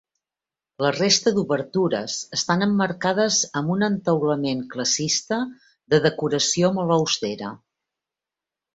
La resta d'obertures estan emmarcades amb un entaulament classicista de decoració molt austera.